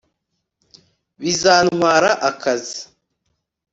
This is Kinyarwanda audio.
bizantwara akazi